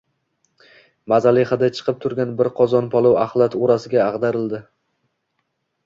Mazali hidi chiqib turgan bir qozon palov axlat o`rasiga ag`darildi